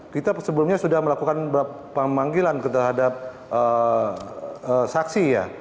kita sebelumnya sudah melakukan beberapa pemanggilan terhadap saksi ya